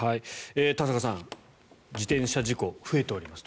田坂さん、自転車事故増えております。